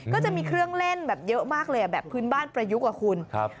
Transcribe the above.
ก็จะมีเครื่องเล่นแบบเยอะมากเลยแบบพื้นบ้านประยุกต์อ่ะคุณครับ